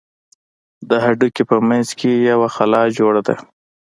د هډوکي په منځ کښې يوه خلا جوړه ده.